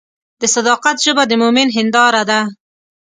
د صداقت ژبه د مؤمن هنداره ده.